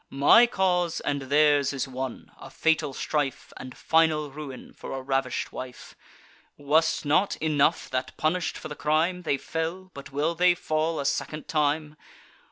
My cause and theirs is one; a fatal strife, And final ruin, for a ravish'd wife. Was 't not enough, that, punish'd for the crime, They fell; but will they fall a second time?